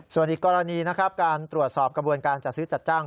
ส่วนอีกกรณีนะครับการตรวจสอบกระบวนการจัดซื้อจัดจ้าง